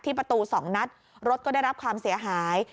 ประตู๒นัดรถก็ได้รับความเสียหาย